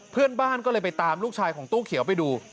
เพื่อนบ้านก็เลยไปตามลูกชายของตู้เขียวไปดู